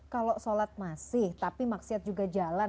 kalau sholat masih tapi maksiat juga jalan